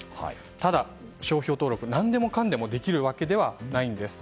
ただ、商標登録は何でもかんでもできるわけではないんです。